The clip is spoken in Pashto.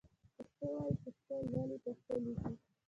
پښتو وايئ ، پښتو لولئ ، پښتو ليکئ